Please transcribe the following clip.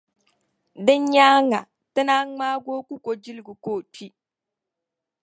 Din nyaaŋa, Ti naan ŋmaagi o kukojilgu ka o kpi.